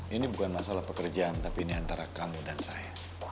ini bukan masalah pekerjaan tapi ini antara kamu dan saya